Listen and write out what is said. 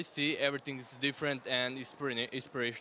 semuanya berbeda dan menginspirasi saya